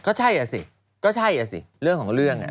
ก็ใช่อ่ะสิก็ใช่อ่ะสิเรื่องของเรื่อง